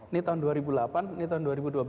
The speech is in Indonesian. ini tahun dua ribu delapan ini tahun dua ribu dua belas